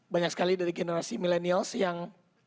banyak sekali dari generasi milenials yang